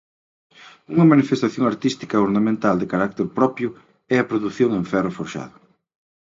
Unha manifestación artística ornamental de carácter propio é a produción en ferro forxado.